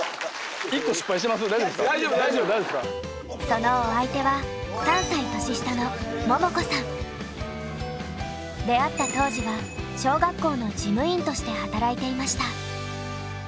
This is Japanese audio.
そのお相手は３歳年下の出会った当時は小学校の事務員として働いていました。